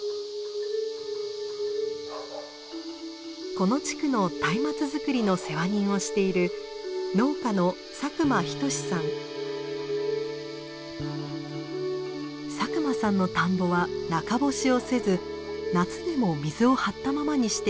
この地区の松明づくりの世話人をしている農家の佐久間さんの田んぼは中干しをせず夏でも水を張ったままにしています。